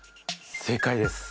正解です。